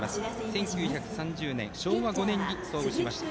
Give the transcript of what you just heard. １９３０年昭和５年に創部しました。